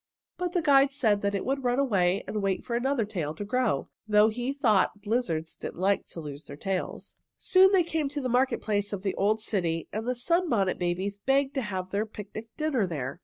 But the guide said it would run away and wait for another tail to grow, though he thought lizards didn't like to lose their tails. Soon they came to the market place of the old city, and the Sunbonnet Babies begged to have their picnic dinner there.